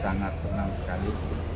sangat senang sekali